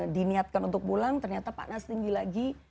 diniatkan untuk pulang ternyata panas tinggi lagi